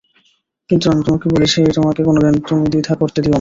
কিন্তু আমি তোমাকে বলছি আমাকে কোনোদিন তুমি দ্বিধা করতে দিয়ো না।